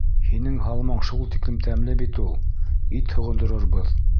Һинең һалмаң шул тиклем тәмле бит ул. Ит һоғондорорбоҙ.